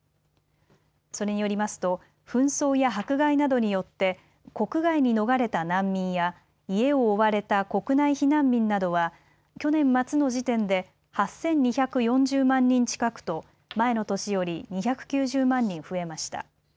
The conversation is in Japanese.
それによりますと紛争や迫害などによって国外に逃れた難民や家を追われた国内避難民などは去年末の時点で８２４０万人近くと前の年より２９０万人増えました。